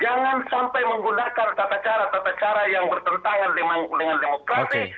jangan sampai menggunakan tata cara tata cara yang bertentangan dengan demokrasi